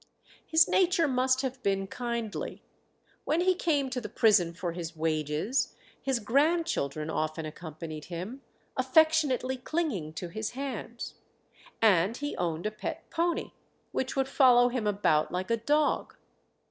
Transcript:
His nature must have been kindly. When he came to the prison for his wages his grand children often accompanied him, affectionately clinging to his hands; and he owned a pet pony which would follow him about like a dog.